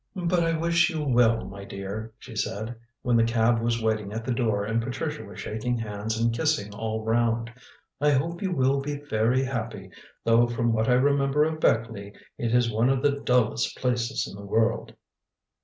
"But I wish you well, my dear," she said, when the cab was waiting at the door and Patricia was shaking hands and kissing all round. "I hope you will be very happy, though from what I remember of Beckleigh, it is one of the dullest places in the world."